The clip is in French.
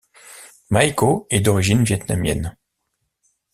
Mayko est d’origine vietnamienne.